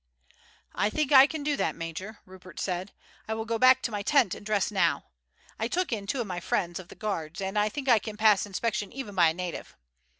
"I think I can do that, major," Rupert said. "I will go back to my tent and dress now. I took in my two friends of the Guards, and I think I can pass inspection even by a native."